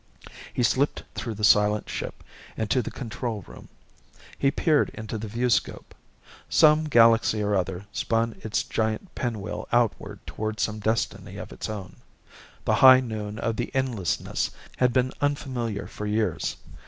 He slipped through the silent ship and to the control room. He peered into the viewscope. Some galaxy or other spun its giant pinwheel outward toward some destiny of its own. The high noon of the endlessness had been unfamiliar for years.